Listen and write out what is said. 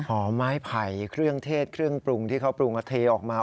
อ๋อไม้ไผ่เครื่องเทศเครื่องปรุงที่เขาปรุงก็เทออกมา